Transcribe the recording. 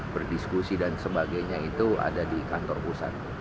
berdiskusi dan sebagainya itu ada di kantor pusat